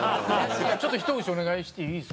ちょっとひと節お願いしていいですか？